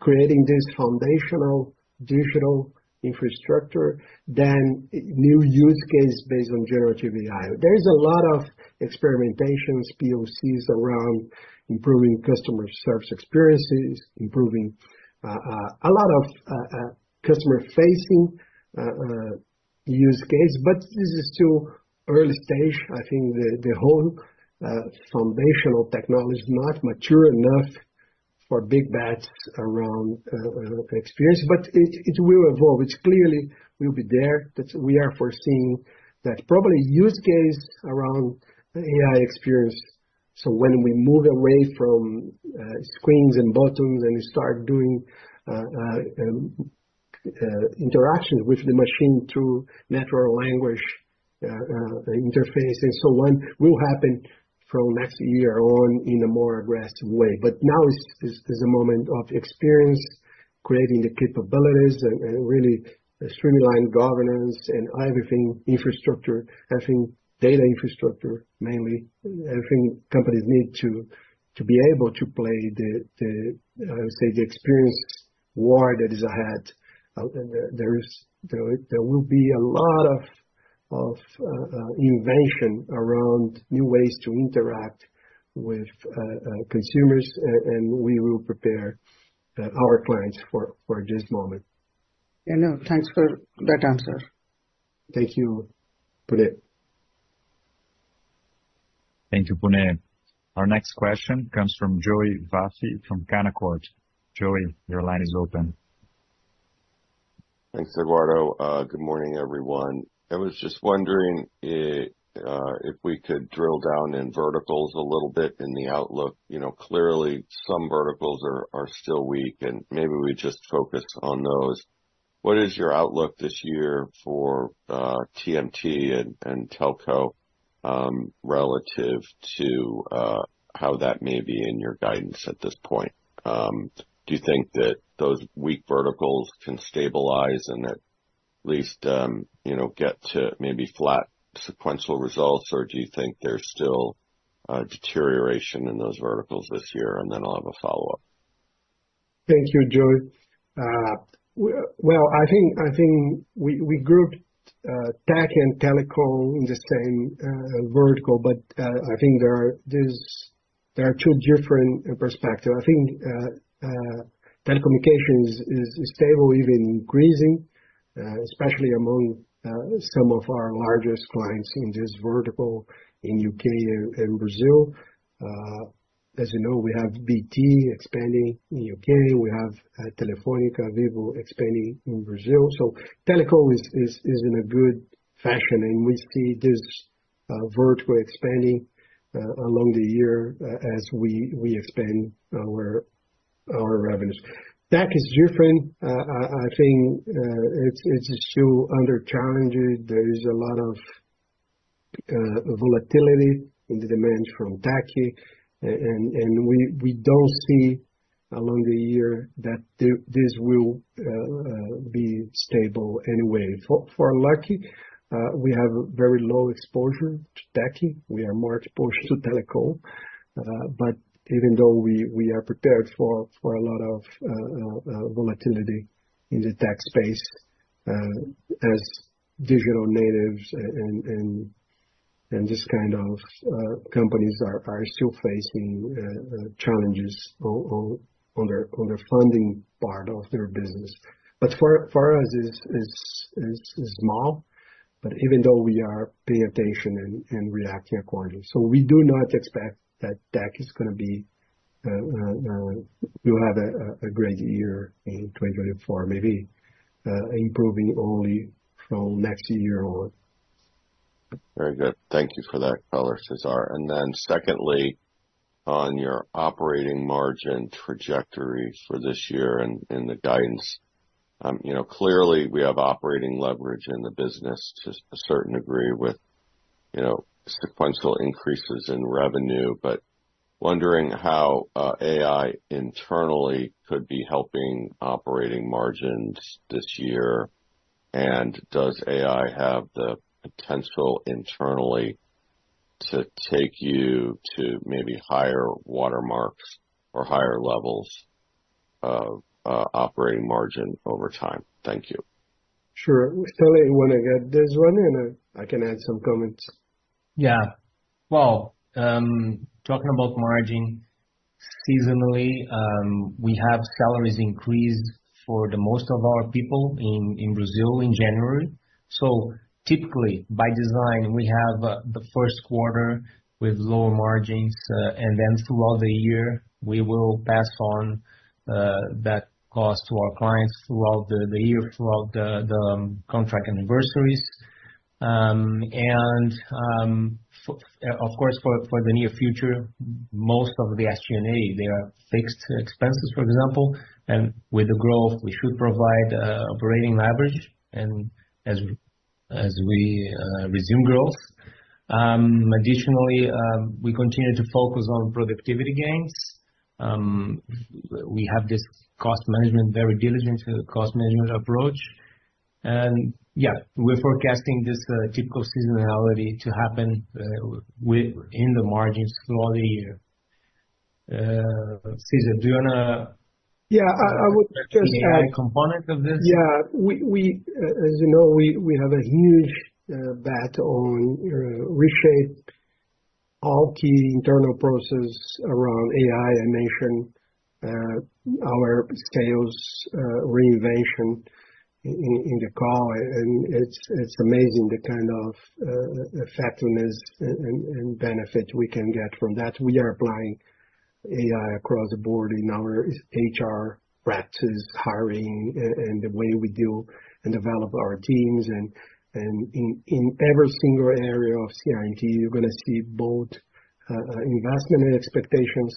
creating this foundational digital infrastructure than new use case based on generative AI. There's a lot of experimentations, POCs, around improving customer service experiences, improving a lot of customer-facing use case, but this is still early stage. I think the whole foundational technology is not mature enough for big bets around experience, but it will evolve. It clearly will be there, but we are foreseeing that probably use case around AI experience. So when we move away from screens and buttons and start doing interaction with the machine through natural language interface and so on, will happen from next year on in a more aggressive way. But now is a moment of experience, creating the capabilities and really streamline governance and everything, infrastructure, I think data infrastructure, mainly. I think companies need to be able to play the, how do you say, the experience war that is ahead. And there will be a lot of innovation around new ways to interact with consumers, and we will prepare our clients for this moment. Thanks for that answer. Thank you, Puneet. Thank you, Puneet. Our next question comes from Joseph Vafi from Canaccord. Joseph, your line is open. Thanks, Eduardo. Good morning, everyone. I was just wondering if we could drill down in verticals a little bit in the outlook. You know, clearly, some verticals are still weak, and maybe we just focus on those. What is your outlook this year for TMT and telco relative to how that may be in your guidance at this point? Do you think that those weak verticals can stabilize and at least you know, get to maybe flat sequential results, or do you think there's still deterioration in those verticals this year? And then I'll have a follow-up. Thank you, Joe. Well, I think we grouped tech and telco in the same vertical, but I think there are two different perspectives. I think telecommunications is stable, even increasing, especially among some of our largest clients in this vertical in U.K. and Brazil. As you know, we have BT expanding in U.K., we have Telefónica, Vivo expanding in Brazil. So telco is in a good fashion, and we see this vertical expanding along the year as we expand our revenues. Tech is different. I think it's still under challenges. There is a lot of volatility in the demand from tech, and we don't see throughout the year that this will be stable anyway. Fortunately, we have very low exposure to tech. We are more exposed to telco. But even though we are prepared for a lot of volatility in the tech space, as digital natives and this kind of companies are still facing challenges on their funding part of their business. But for us, it's small, but even though we are paying attention and reacting accordingly. So we do not expect that tech will have a great year in 2024. Maybe improving only from next year on. Very good. Thank you for that color, Cesar. And then secondly, on your operating margin trajectory for this year and the guidance, you know, clearly we have operating leverage in the business to a certain degree with you know, sequential increases in revenue, but wondering how AI internally could be helping operating margins this year, and does AI have the potential internally to take you to maybe higher watermarks or higher levels of operating margin over time? Thank you. Sure. Stanley, you wanna get this one? And I, I can add some comments. Yeah. Well, talking about margin, seasonally, we have salaries increased for the most of our people in Brazil in January. So typically, by design, we have the first quarter with lower margins, and then throughout the year, we will pass on that cost to our clients throughout the year, throughout the contract anniversaries. And of course, for the near future, most of the SG&A, they are fixed expenses, for example, and with the growth, we should provide operating leverage and as we resume growth. Additionally, we continue to focus on productivity gains. We have this cost management, very diligent cost management approach, and yeah, we're forecasting this typical seasonality to happen within the margins throughout the year. Cesar, do you wanna- Yeah, I would just add- The AI component of this? Yeah. As you know, we have a huge bet on reshape all key internal processes around AI. I mentioned our sales renovation in the call, and it's amazing the kind of effectiveness and benefit we can get from that. We are applying AI across the board in our HR practices, hiring, and the way we do and develop our teams, and in every single area of CI&T, you're gonna see both investment and expectations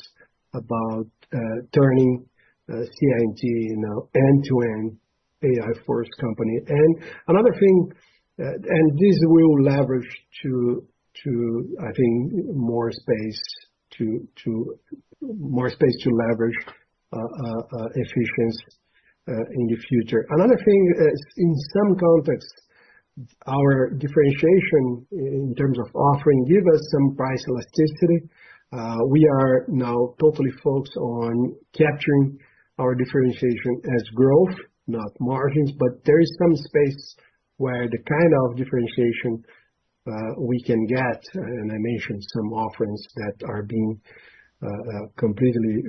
about turning CI&T into an end-to-end AI-first company. Another thing, and this will lead to, I think, more space to leverage efficiency in the future. Another thing, in some context, our differentiation in terms of offering gives us some price elasticity. We are now totally focused on capturing our differentiation as growth, not margins. But there is some space where the kind of differentiation we can get, and I mentioned some offerings that are being completely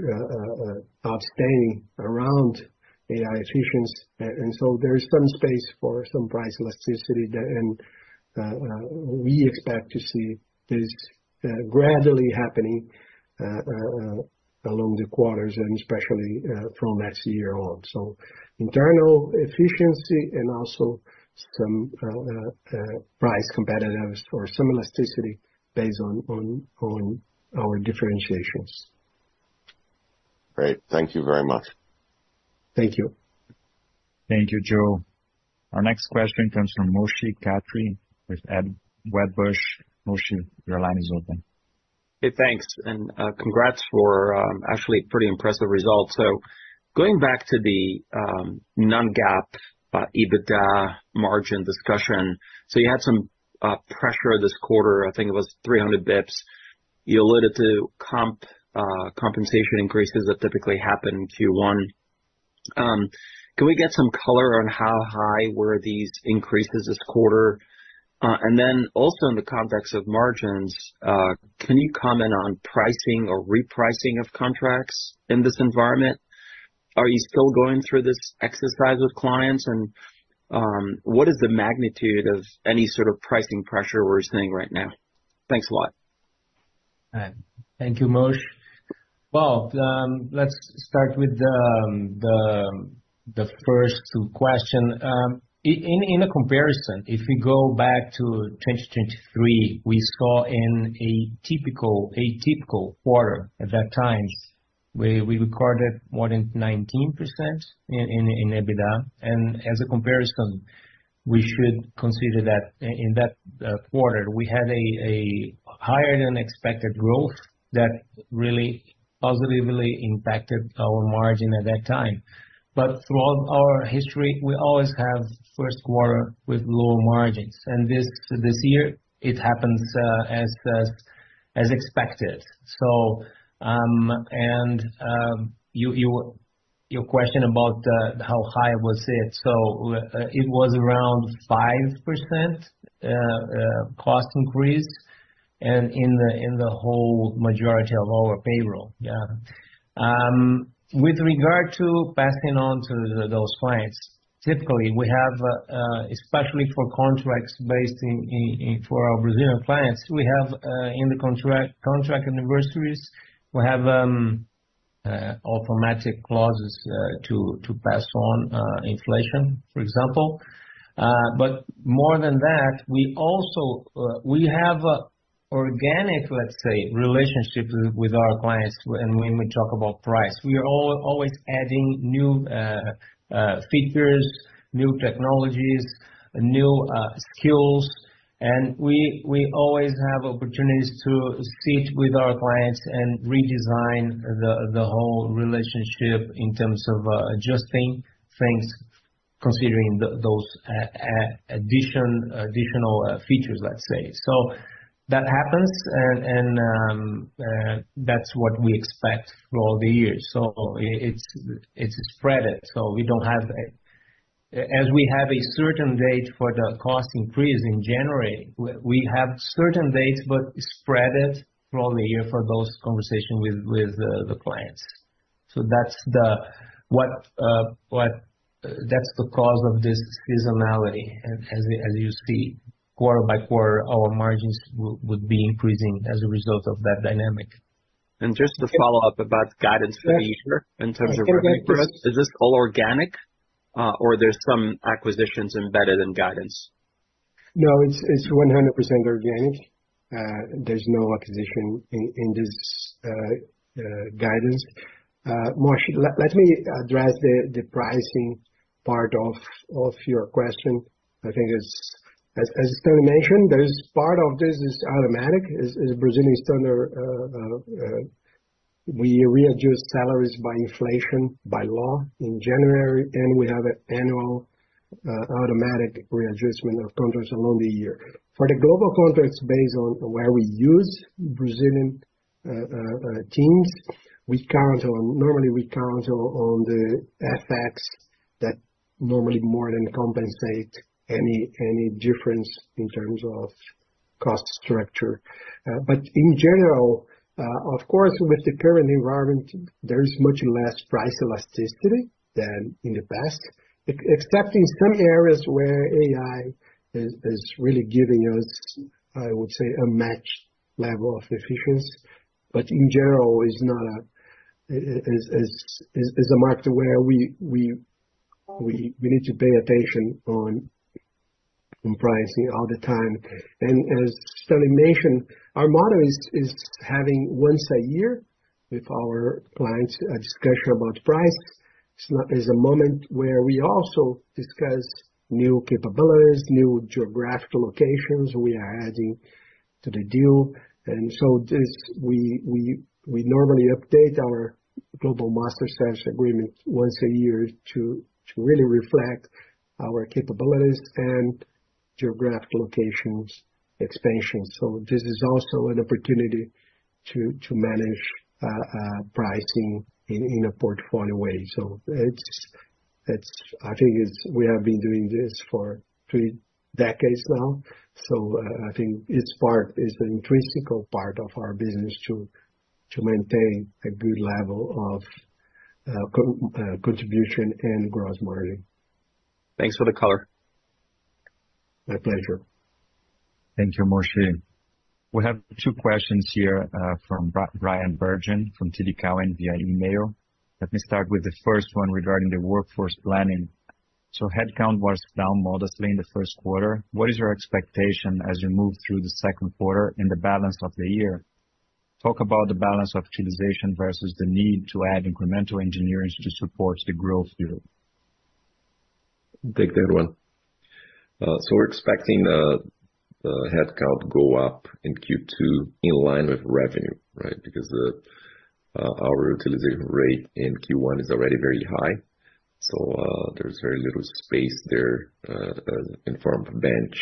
outstanding around AI efficiency. And so there is some space for some price elasticity there, and we expect to see this gradually happening along the quarters and especially from next year on. So internal efficiency and also some price competitiveness or some elasticity based on our differentiations. Great. Thank you very much. Thank you. Thank you, Joe. Our next question comes from Moshe Katri with Wedbush. Moshe, your line is open. Hey, thanks, and congrats for actually pretty impressive results. So going back to the non-GAAP EBITDA margin discussion, so you had some pressure this quarter, I think it was 300 basis points. You alluded to comp compensation increases that typically happen in Q1. Can we get some color on how high were these increases this quarter? And then also in the context of margins, can you comment on pricing or repricing of contracts in this environment? Are you still going through this exercise with clients? And what is the magnitude of any sort of pricing pressure we're seeing right now? Thanks a lot. Thank you, Moshe. Well, let's start with the first two question. In a comparison, if we go back to 2023, we saw in a typical quarter at that time, where we recorded more than 19% in EBITDA. And as a comparison, we should consider that in that quarter, we had a higher-than-expected growth that really positively impacted our margin at that time. But throughout our history, we always have first quarter with low margins, and this year, it happens as expected. So, and your question about how high was it? So, it was around 5%, cost increase, and in the whole majority of our payroll. Yeah. With regard to passing on to those clients, typically, we have, especially for contracts based in for our Brazilian clients, we have in the contract anniversaries, we have automatic clauses to pass on inflation, for example. But more than that, we also we have organic, let's say, relationship with our clients when we talk about price, we are always adding new features, new technologies, new skills, and we always have opportunities to sit with our clients and redesign the whole relationship in terms of adjusting things, considering those additional features, let's say. So that happens, and that's what we expect throughout the year. So it's spread out, so we don't have a certain date for the cost increase in January. We have certain dates, but spread it throughout the year for those conversations with the clients. So that's the cause of this seasonality. As you see, quarter by quarter, our margins would be increasing as a result of that dynamic. Just to follow up about guidance for the year, in terms of- Go ahead. Is this all organic, or there's some acquisitions embedded in guidance? No, it's 100% organic. There's no acquisition in this guidance. Moshe, let me address the pricing part of your question. I think it's, as Stanley mentioned, there is part of this is automatic. As Brazilian standard, we readjust salaries by inflation, by law in January, and we have an annual automatic readjustment of contracts along the year. For the global contracts based on where we use Brazilian teams, we count on—normally, we count on the effects that normally more than compensate any difference in terms of cost structure. But in general, of course, with the current environment, there is much less price elasticity than in the past, except in some areas where AI is really giving us, I would say, a matched level of efficiency. But in general, it's not a market where we need to pay attention on pricing all the time. And as Stanley mentioned, our model is having once a year with our clients a discussion about price. It's not. There's a moment where we also discuss new capabilities, new geographical locations we are adding to the deal. And so we normally update our global master service agreement once a year to really reflect our capabilities and geographic locations expansion. So this is also an opportunity to manage pricing in a portfolio way. So it's, I think it's, we have been doing this for three decades now, so I think it's part, it's an intrinsic part of our business to maintain a good level of contribution and gross margin. Thanks for the color. My pleasure. Thank you, Moshe. We have two questions here from Bryan Bergin from TD Cowen via email. Let me start with the first one regarding the workforce planning. So headcount was down modestly in the first quarter. What is your expectation as you move through the second quarter and the balance of the year? Talk about the balance of utilization versus the need to add incremental engineers to support the growth view. I'll take that one. So we're expecting the headcount go up in Q2 in line with revenue, right? Because our utilization rate in Q1 is already very high, so there's very little space there in form of bench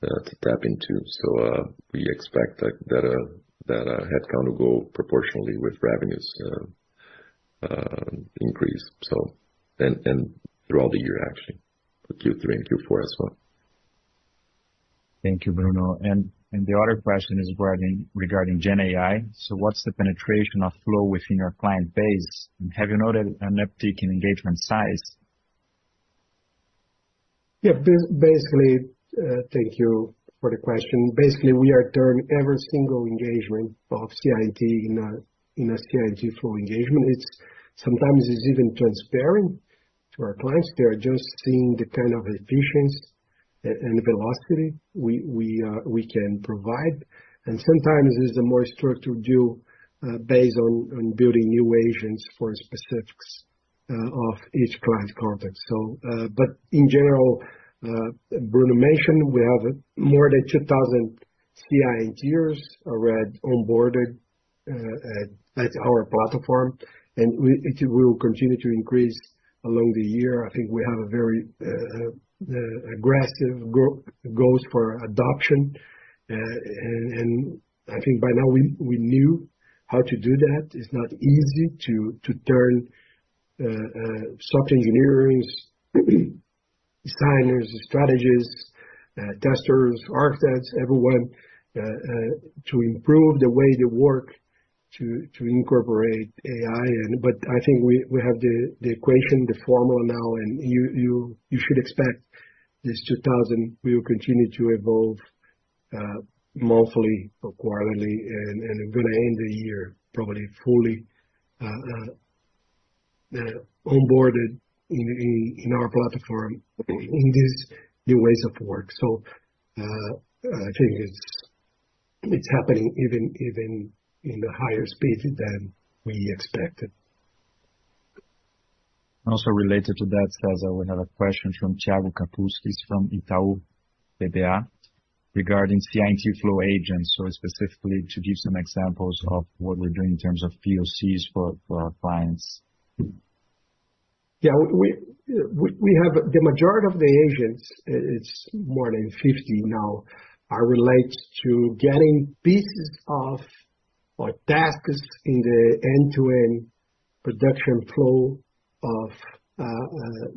to tap into. So we expect, like, that headcount will go proportionally with revenues increase, so... And throughout the year, actually, for Q3 and Q4 as well. Thank you, Bruno. The other question is regarding GenAI. So what's the penetration of Flow within your client base? And have you noted an uptick in engagement size? Yeah, basically, thank you for the question. Basically, we are turning every single engagement of CI&T in a CI&T Flow engagement. It's sometimes even transparent to our clients. They are just seeing the kind of efficiency and velocity we can provide. And sometimes it's a more structured deal based on building new agents for specifics of each client context. So, but in general, Bruno mentioned we have more than 2,000 CI&T engineers already onboarded at our platform, and it will continue to increase along the year. I think we have a very aggressive goals for adoption, and I think by now we knew how to do that. It's not easy to turn software engineers, designers, strategists, testers, architects, everyone to improve the way they work to incorporate AI. But I think we have the equation, the formula now, and you should expect this 2,000 will continue to evolve monthly or quarterly, and we're gonna end the year probably fully onboarded in our platform in these new ways of work. So, I think it's happening even in a higher speed than we expected. Also related to that, Cesar, we have a question from Thiago Kapulskis from Itaú BBA, regarding CI&T Flow agents. Specifically to give some examples of what we're doing in terms of POCs for our clients. Yeah, we have the majority of the agents, it's more than 50 now, are related to getting pieces of or tasks in the end-to-end production flow of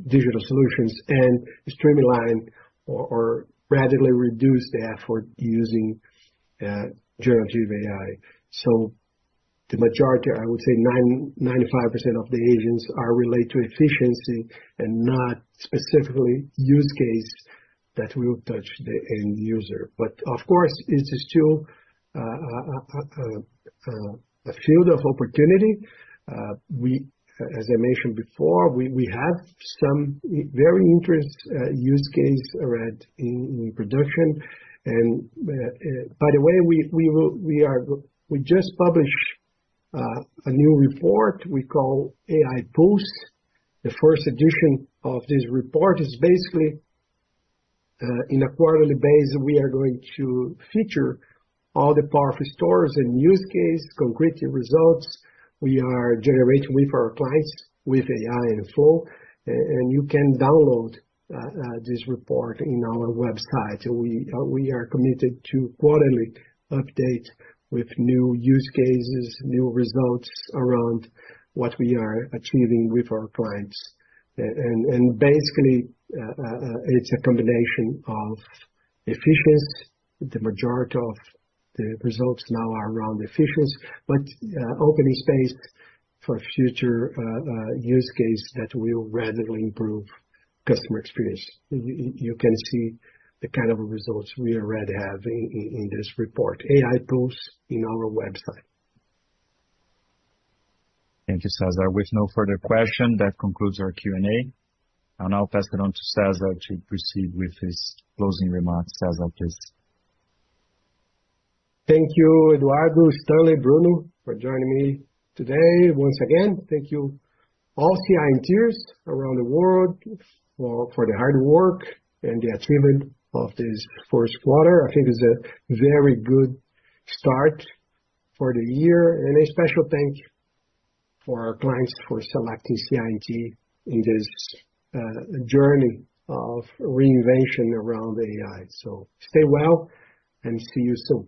digital solutions and streamline or radically reduce the effort using generative AI. So the majority, I would say 95% of the agents are related to efficiency and not specifically use case that will touch the end user. But of course, it's still a field of opportunity. We, as I mentioned before, we have some very interesting use case already in production. And, by the way, we just published a new report we call AI Pulse. The first edition of this report is basically on a quarterly basis. We are going to feature all the power of stories and use cases, concrete results we are generating with our clients with AI in full. And you can download this report on our website. We are committed to quarterly updates with new use cases, new results around what we are achieving with our clients. And basically it's a combination of efficiency. The majority of the results now are around efficiency, but opening space for future use cases that will radically improve customer experience. You can see the kind of results we already have in this report, AI Pulse, on our website. Thank you, Cesar. With no further question, that concludes our Q&A. I'll now pass it on to Cesar to proceed with his closing remarks. Cesar, please. Thank you, Eduardo, Stanley, Bruno, for joining me today. Once again, thank you all CI&Ters around the world for the hard work and the achievement of this first quarter. I think it's a very good start for the year. A special thank you for our clients for selecting CI&T in this journey of reinvention around AI. Stay well and see you soon.